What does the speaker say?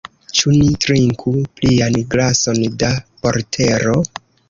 Ĉu ni trinku plian glason da portero?